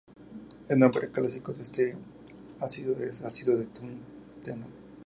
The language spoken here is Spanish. El nombre clásico de este ácido es "ácido de tungsteno".